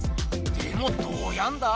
でもどうやんだ？